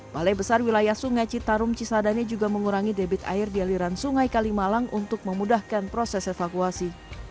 balai besar wilayah sungai citarum cisadane juga mengurangi debit air di aliran sungai kalimalang untuk memudahkan proses evakuasi